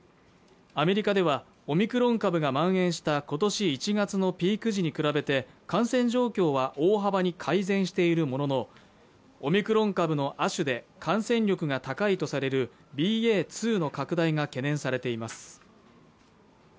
アメリカではオミクロン株が蔓延したことし１月のピーク時に比べて感染状況は大幅に改善しているもののオミクロン株の亜種で感染力が高いとされるＢＡ．２の拡大が懸念されています